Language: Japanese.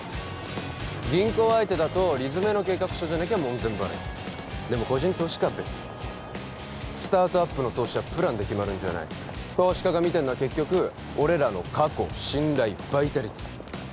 銀行相手だと理詰めの計画書じゃなきゃ門前払いでも個人投資家は別スタートアップの投資はプランで決まるんじゃない投資家が見てんのは結局俺らの過去信頼バイタリティー